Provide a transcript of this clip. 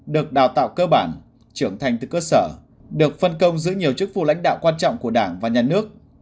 được đào tạo cơ bản trưởng thành từ cơ sở được phân công giữ nhiều chức vụ lãnh đạo quan trọng của đảng và nhà nước